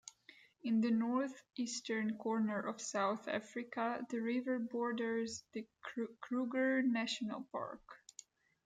In the north-eastern corner of South Africa the river borders the Kruger National Park.